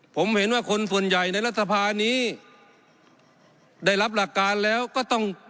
ผมเห็นว่าคนส่วนใหญ่ในรัฐสภานี้ได้รับหลักการแล้วก็ต้อง